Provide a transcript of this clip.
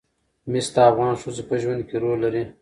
مس د افغان ښځو په ژوند کې رول لري.